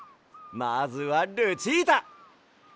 まずはルチータ！